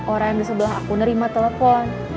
orang di sebelah aku nerima telepon